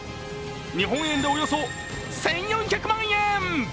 日本円でおよそ１４００万円。